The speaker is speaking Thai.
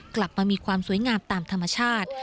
กลับมามีความสวยงามตามธรรมชาติ